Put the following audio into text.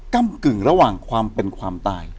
กำกึ่งระหว่างความเป็นความตาย